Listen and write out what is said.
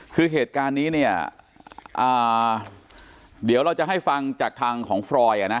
คือเหตุการณ์นี้เนี่ยเดี๋ยวเราจะให้ฟังจากทางของฟรอยอ่ะนะ